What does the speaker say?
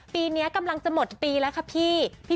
ปีนี้กำลังจะหมดปีแล้วค่ะพี่